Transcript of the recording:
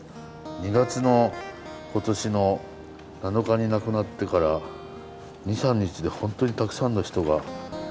２月の今年の７日に亡くなってから２３日でホントにたくさんの人が。